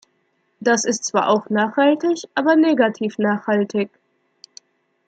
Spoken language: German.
Das ist zwar auch nachhaltig, aber negativ nachhaltig.